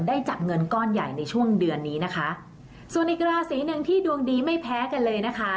จับเงินก้อนใหญ่ในช่วงเดือนนี้นะคะส่วนอีกราศีหนึ่งที่ดวงดีไม่แพ้กันเลยนะคะ